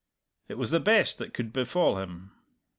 It was the best that could befall him.